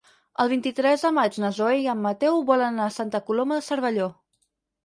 El vint-i-tres de maig na Zoè i en Mateu volen anar a Santa Coloma de Cervelló.